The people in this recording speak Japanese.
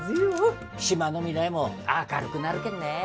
島の未来も明るくなるけんね。